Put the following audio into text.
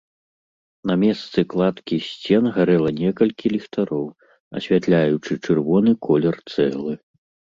На месцы кладкі сцен гарэла некалькі ліхтароў, асвятляючы чырвоны колер цэглы.